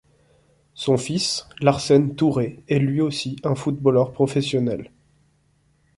Son fils, Larsen Touré, est lui aussi un footballeur professionnel.